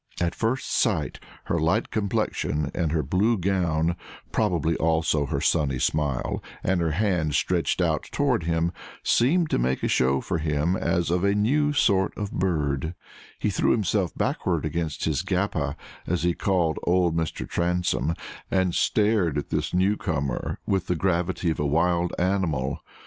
At first sight her light complexion and her blue gown, probably also her sunny smile and her hands stretched out toward him, seemed to make a show for him as of a new sort of bird: he threw himself backward against his "Gappa," as he called old Mr. Transome, and stared at this new comer with the gravity of a wild animal.